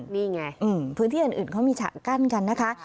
นี่ไงพื้นที่อื่นเขามีฉะกั้นกันนะคะ